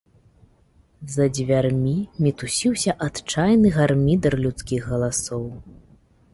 За дзвярмі мітусіўся адчайны гармідар людскіх галасоў.